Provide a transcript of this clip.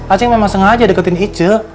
acing memang sengaja deketin ije